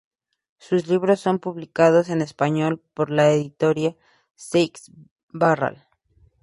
Sus libros son publicados en español por la editorial Seix Barral.